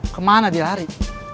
kemana dia lari